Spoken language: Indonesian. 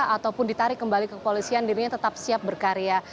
ataupun ditarik kembali ke kepolisian dirinya tetap siap berkarya